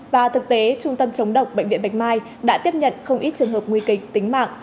và thực tế trung tâm chống độc bệnh viện bạch mai đã tiếp nhận không ít trường hợp nguy kịch tính mạng